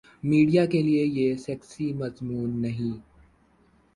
Media کیلئے یہ sexy مضمون نہیں۔